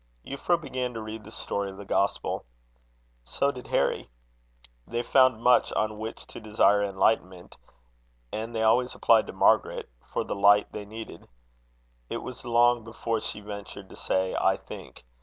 Euphra began to read the story of the Gospel. So did Harry. They found much on which to desire enlightenment; and they always applied to Margaret for the light they needed. It was long before she ventured to say I think.